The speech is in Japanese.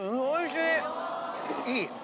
おいしい！